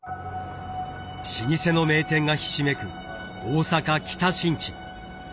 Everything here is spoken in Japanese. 老舗の名店がひしめく大阪・北新地。